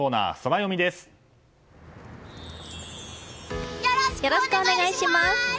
よろしくお願いします！